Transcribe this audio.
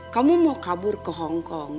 kamu mau kabur ke hongkong